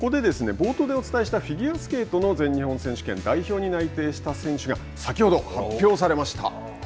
冒頭でお伝えしたフィギュアスケートの全日本選手権代表に内定した選手が先ほど発表されました。